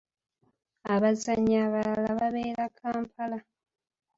Abazannyi abalala babeera Kampala.